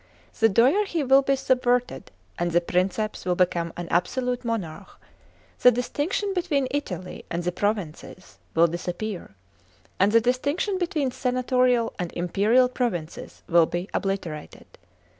The dyarchy will be subverted, and the Princeps will become an absolute monarch ; the distinction between Italy and the provinces will disappear; and the distinction between senatorial and imperial provinces will be obliterated.